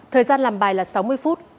thời gian làm bài là sáu mươi phút